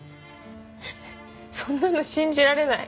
そんなの信じられない。